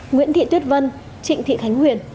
nguyễn thị tuyết vân trịnh thị khánh huyền